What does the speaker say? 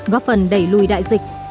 góp phần đẩy lùi đại dịch